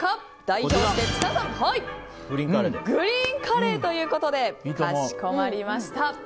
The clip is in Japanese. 代表して設楽さんグリーンカレーということでかしこまりました。